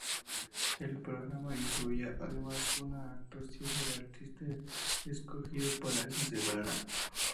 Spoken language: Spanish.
El programa incluía además una actuación del artista escogido para esa semana.